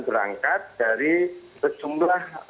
berangkat dari jumlah